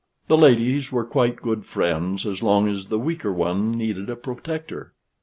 The ladies were quite good friends as long as the weaker one needed a protector.